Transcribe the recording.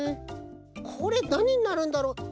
これなにになるんだろう？